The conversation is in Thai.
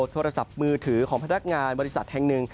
โทรศัพท์มือถือของพนักงานบริษัทแห่งหนึ่ง